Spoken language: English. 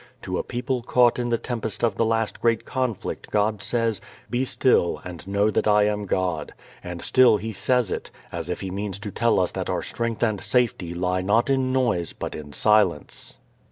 To a people caught in the tempest of the last great conflict God says, "Be still, and know that I am God," and still He says it, as if He means to tell us that our strength and safety lie not in noise but in silence.